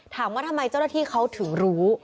ถามว่าทำไมเจ้าหน้าที่เขาถึงรู้